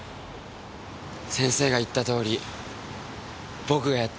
先生が言ったとおり僕がやったんだよ。